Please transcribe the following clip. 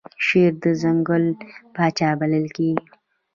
شیر د ځنګل پاچا بلل کیږي